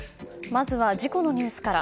まずは事故のニュースから。